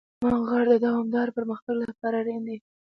سلیمان غر د دوامداره پرمختګ لپاره اړین دی.